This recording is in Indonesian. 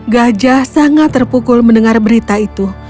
gajah sangat terpukul mendengar berita itu